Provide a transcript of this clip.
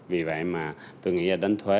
vì vậy mà tôi nghĩ là đánh thuế